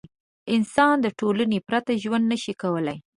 انسان له ټولنې پرته ژوند نه شي کولی.